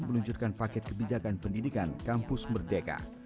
meluncurkan paket kebijakan pendidikan kampus merdeka